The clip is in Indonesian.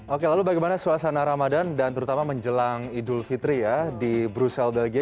oke lalu bagaimana suasana ramadan dan terutama menjelang idul fitri ya di brussel belgia